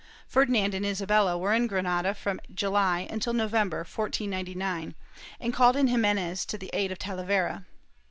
Ferdinand and Isabella were in Granada from July until November, 1499, and called in Ximenes to the aid of Talavera.